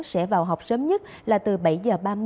sẽ vào học sớm nhất là từ bảy h ba mươi